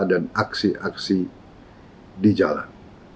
dan aksi aksi di jalan